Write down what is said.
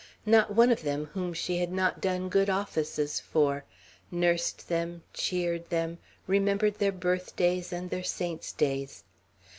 Not one of them whom she had not done good offices for, nursed them, cheered them, remembered their birthdays and their saints' days.